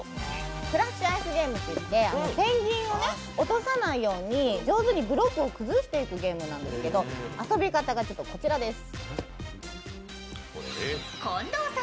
クラッシュアイスゲームといってペンギンを落とさないように上手にブロックを崩していくゲームなんですけど遊び方がこちらです。